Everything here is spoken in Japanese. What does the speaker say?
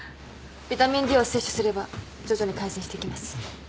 ビタミンＤを摂取すれば徐々に改善していきます。